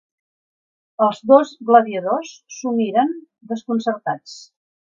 Els dos gladiadors s'ho miren, desconcertats.